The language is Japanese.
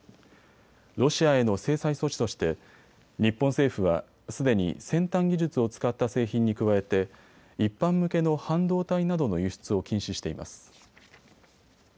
ロシアへの制裁措置として日本政府はすでに先端技術を使った製品に加えて一般向けの半導体などの輸出を禁止しています。